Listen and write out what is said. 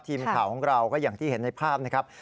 ทีมข่าวของเราก็อย่างที่เห็นในภาพนะครับ